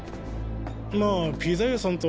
まあピザ屋さんと。